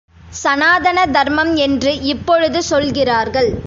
சநாதன தர்மம் என்று இப்பொழுது சொல்கிறார்கள்.